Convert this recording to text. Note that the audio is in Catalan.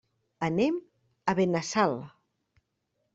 Anem a Benassal.